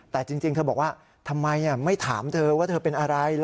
แต่จริงเธอบอกว่าทำไมไม่ถามเธอว่าเธอเป็นอะไร